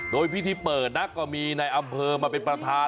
โดยพิธีเปิดนะก็มีในอำเภอมาเป็นประธาน